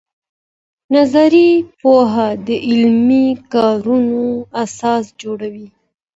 نظري پوهه د عملي کارونو اساس جوړوي.